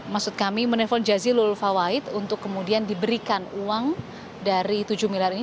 maksud kami menelpon jazilul fawait untuk kemudian diberikan uang dari tujuh miliar ini